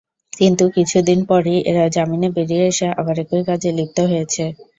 কিন্তু কিছুদিন পরই এরা জামিনে বেরিয়ে এসে আবার একই কাজে লিপ্ত হয়েছে।